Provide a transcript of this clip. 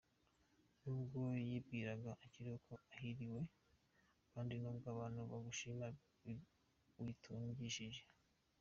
Nubwo yibwiraga akiriho ko ahiriwe, Kandi nubwo abantu bagushima witungishije